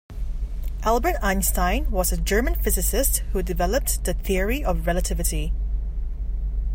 Albert Einstein was a German physicist who developed the Theory of Relativity.